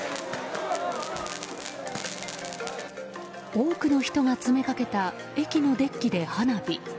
多くの人が詰めかけた駅のデッキで花火。